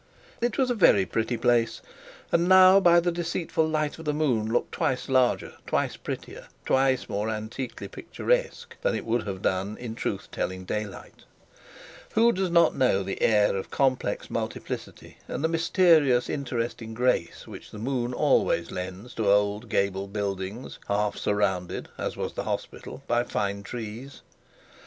It was a very pretty place, and now by the deceitful light of the moon looked twice larger, twice prettier, twice more antiquely picturesque than it would have done in truth telling daylight. Who does not know the air of complex multiplicity and the mysterious interesting grace which the moon always lends to old gabled buildings half surrounded, as was the hospital, by fine trees!